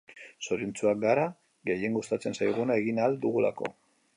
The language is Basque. Zoriontsuak gara, gehien gustatzen zaiguna egin ahal dugulako.